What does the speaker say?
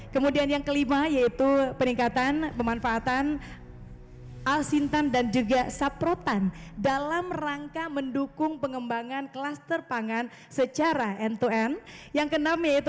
kemudian yang kelima yaitu peningkatan pemanfaatan alsintan dan juga saprotan dalam rangka mendukung pengembangan kluster pangan secara end to end